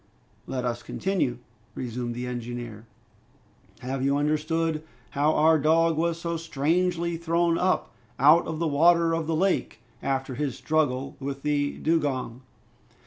"Let us continue," resumed the engineer. "Have you understood how our dog was so strangely thrown up out of the water of the lake, after his struggle with the dugong?"